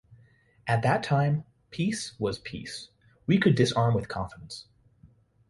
At that time, peace was peace. We could disarm with confidence.